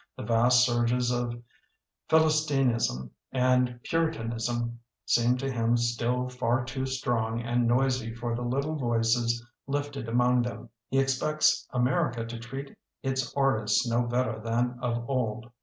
The vast surges of Philistinism and Puritanism seem to him still far too strong and noisy for the little voices lifted among them. He expects America to treat its artists no better than of old.